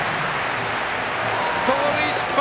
盗塁失敗。